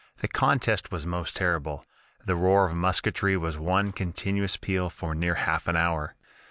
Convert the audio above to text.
The contest was most terrible the roar of musketry was one continuous peal for near half an hour.